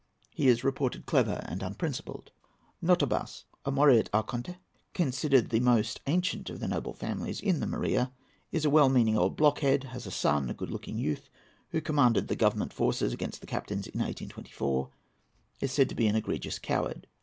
He is reported clever and unprincipled. NOTABAS.—A Moreot Archonte, considered the most ancient of the noble families in the Morea; is a well meaning old blockhead; has a son, a good looking youth, who commanded the Government forces against the captains in 1824; is said to be an egregious coward.